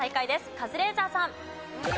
カズレーザーさん。